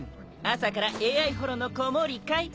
朝からＡＩホロの子守かい？